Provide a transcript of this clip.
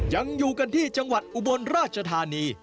ยังอยู่กันที่จังหวัดอุบลราชธานี